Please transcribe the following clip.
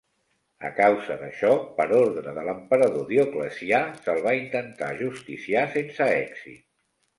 A causa d'això, per ordre de l'emperador Dioclecià se'l va intentar ajusticiar sense èxit.